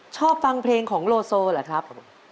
ชอบฟังเพลงของโลโซเหรอครับ